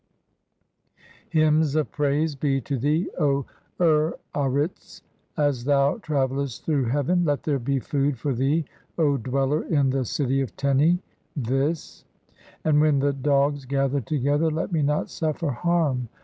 Hymns of praise be to "thee, O Ur arit s, as thou travellest through heaven ! Let there "be food [for thee], O dweller in the city of Teni (This), (7) "and when the dogs gather together let me not suffer harm.